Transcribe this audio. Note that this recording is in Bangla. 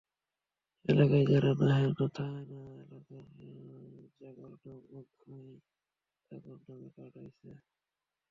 এলাকায় যারা থাহে না, এলাকায় যাগর নাম-গন্ধ নাই, তাগর নামে কার্ড অইছে।